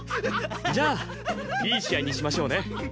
じゃあいい試合にしましょうね。